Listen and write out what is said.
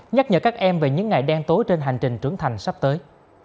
nhắc nhở các em về những ngày đen tối trên hành trình trưởng thành sắp tới